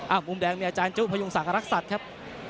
อ้าวมุมแดงมีอาจารย์จุพยุงสังหรักษัตริย์ครับ